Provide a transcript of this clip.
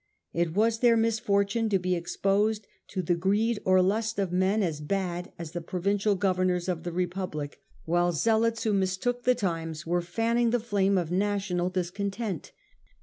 It was their mis fortune to be exposed to the greed or lust of men as bad as the provincial governors of the Republic, while zealots, who mistook the times, were fanning the flame of national discontent.